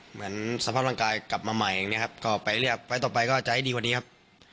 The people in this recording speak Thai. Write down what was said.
เหมือนสภาพร่างกายกลับมาใหม่อย่างนี้ครับก็ไปเรียกไฟล์ต่อไปก็จะให้ดีกว่านี้ครับ